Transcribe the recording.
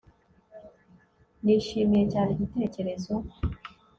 Nishimiye cyane igitekerezo